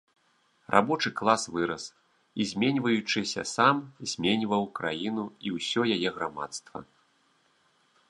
Рабочы клас вырас і, зменьваючыся сам, зменьваў краіну і ўсё яе грамадства.